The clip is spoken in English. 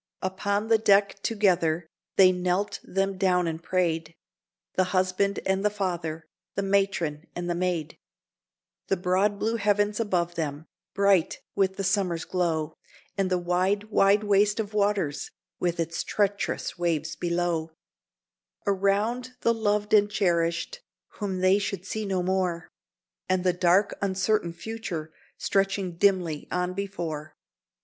Upon the deck together they knelt them down and prayed, The husband and the father, the matron and the maid; The broad blue heavens above them, bright with the summer's glow, And the wide, wide waste of waters, with its treacherous waves below; Around, the loved and cherished, whom they should see no more, And the dark, uncertain future stretching dimly on before.